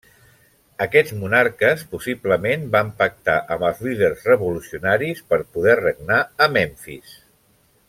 Aquests monarques, possiblement van pactar amb els líders revolucionaris per poder regnar a Memfis.